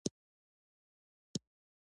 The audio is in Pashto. د عطاري دوکان یې کاوه.